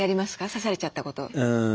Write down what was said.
刺されちゃったこと。